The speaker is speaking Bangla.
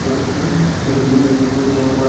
ঐ সব থিওরি তোমার ভালো লাগবে না।